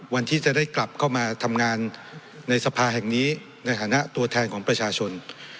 วันที่จะได้กลับเข้ามาทำงานในสภาแห่งนี้ในฐานะตัวแทนของประชาชน